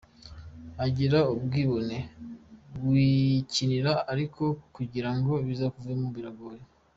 ugira ubwibone wikinira ariko kugira ngo bizakuvemo biragorana.